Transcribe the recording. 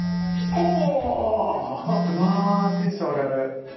おお！うわテンション上がる。